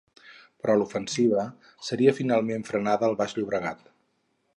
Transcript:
Però l'ofensiva seria finalment frenada al Baix Llobregat.